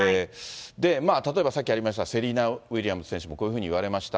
例えばさっきありました、セリーナ・ウィリアムズ選手も、こういうふうに言われました。